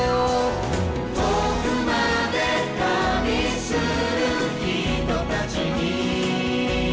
「遠くまで旅する人たちに」